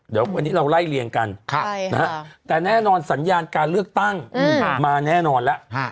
เดี๋ยววันนี้เราไล่เรียงกันแต่แน่นอนสัญญาการเลือกตั้งมาแน่นอนแล้ว